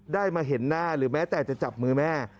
ได้มาเห็นหน้าหรือแม้แต่จะจับมือแม่